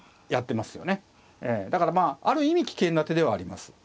だからまあある意味危険な手ではあります。